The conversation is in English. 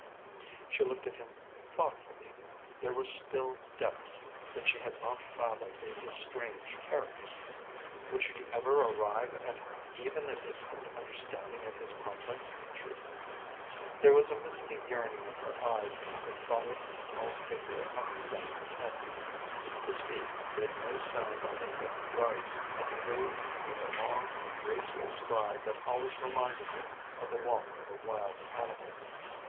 She looked at him thoughtfully. There were still depths that she had not fathomed in his strange character. Would she ever arrive at even a distant understanding of his complex nature? There was a misty yearning in her eyes as they followed his tall figure up and down the tent. His feet made no sound on the thick rugs, and he moved with the long, graceful stride that always reminded her of the walk of a wild animal.